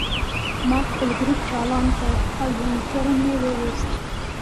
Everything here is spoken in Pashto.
ما خپل ګروپ چالان کړ او یونیفورم مې وویست